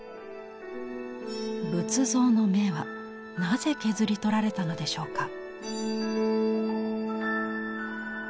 仏像の目はなぜ削り取られたのでしょうか。